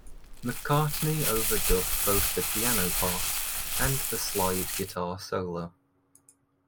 McCartney overdubbed both the piano part and the slide guitar solo.